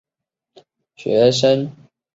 但其学生都十分尊敬他并怀念他上课时光。